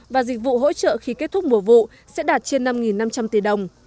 và dịch vụ hỗ trợ khi kết thúc mùa vụ sẽ đạt trên năm năm trăm linh tỷ đồng